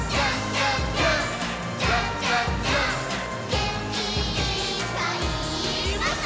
「げんきいっぱいもっと」